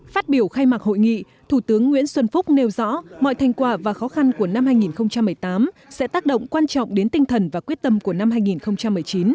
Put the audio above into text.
phát biểu khai mạc hội nghị thủ tướng nguyễn xuân phúc nêu rõ mọi thành quả và khó khăn của năm hai nghìn một mươi tám sẽ tác động quan trọng đến tinh thần và quyết tâm của năm hai nghìn một mươi chín